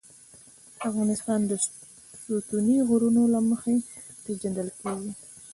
افغانستان د ستوني غرونه له مخې پېژندل کېږي.